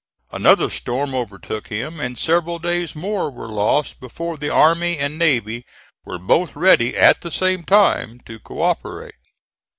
Another storm overtook him, and several days more were lost before the army and navy were both ready at the same time to co operate.